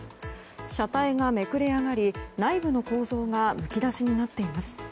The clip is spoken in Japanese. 車体がめくれ上がり内部の構造がむき出しになっています。